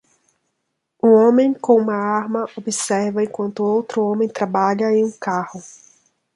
Um homem com uma arma observa enquanto outro homem trabalha em um carro.